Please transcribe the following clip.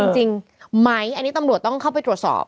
จริงไหมอันนี้ตำรวจต้องเข้าไปตรวจสอบ